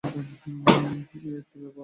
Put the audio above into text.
এই একটা ব্যাপার অবশ্যি আছে।